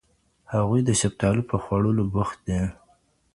هغوی د شفتالو په خوړلو بوخت دي.